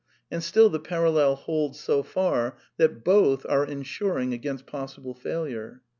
And still the parallel holds so far that! both are ensuring against possible failure.